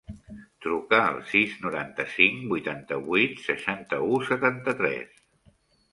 Truca al sis, noranta-cinc, vuitanta-vuit, seixanta-u, setanta-tres.